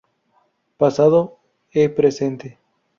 Pasado e Presente.